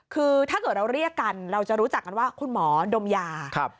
คือถ้าเกิดเราเรียกกันเราจะรู้จักกันว่าคุณหมอดมยา